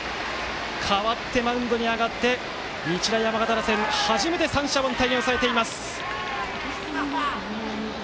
代わってマウンドに上がって日大山形打線を初めて三者凡退に抑えています。